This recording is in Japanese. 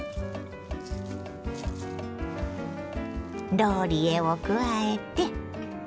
ローリエを加えて。